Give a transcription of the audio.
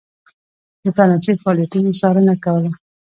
د فرانسې فعالیتونو څارنه کوله.